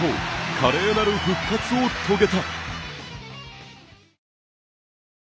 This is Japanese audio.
華麗なる復活を遂げた。